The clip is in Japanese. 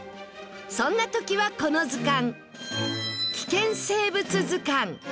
そんな時はこの図鑑。